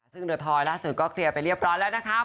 ซึ่งทอยล่ะสุดก็เตรียมไปเรียบร้อยแล้วนะครับ